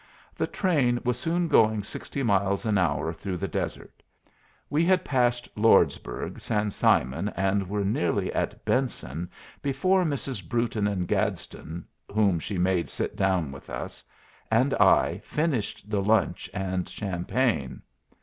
The train was soon going sixty miles an hour through the desert. We had passed Lordsburg, San Simon, and were nearly at Benson before Mrs. Brewton and Gadsden (whom she made sit down with us) and I finished the lunch and champagne.